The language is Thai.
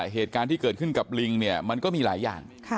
เหตุการณ์ที่เกิดขึ้นกับลิงเนี่ยมันก็มีหลายอย่าง